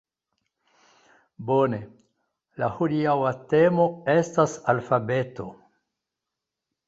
Bone. La hodiaŭa temo estas alfabeto